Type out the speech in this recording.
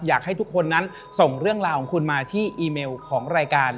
อยากให้ทุกคนนั้นส่งเรื่องราวของคุณมาที่อีเมลของรายการ